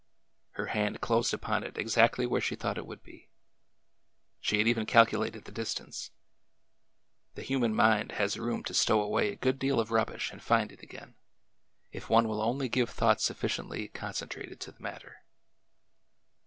Her hand closed upon it exactly where she thought it would be. She had even calculated the dis tance. The human mind has room to stow away a good A DARK NIGHTS RIDE 231 deal of rubbish and find it again, if one will only give thought sufficiently concentrated to the matter.